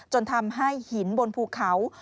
จนทำให้หินบนภูเขา